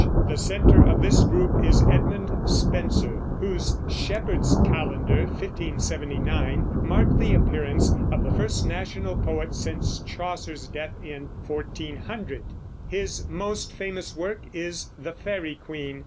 The center of this group is Edmund Spenser, whose Shepherd's Calendar (1579) marked the appearance of the first national poet since Chaucer's death in 1400. His most famous work is The Faery Queen.